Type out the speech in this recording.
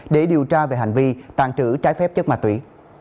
để điều tra về hành vi tàn trữ trái phép chất ma túy